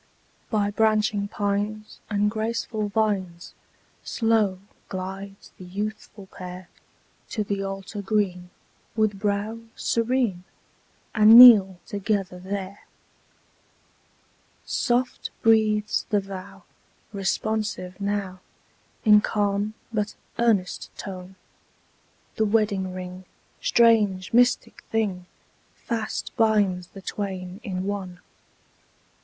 By branching pines and graceful vines, Slow glides the youthful pair To the altar green, with brow serene, And kneel together there. Soft breathes the vow, responsive now, In calm but earnest tone. The wedding ring, strange, mystic thing! Fast binds the twain in one.